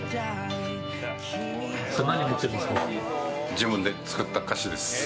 自分で作った歌詞です。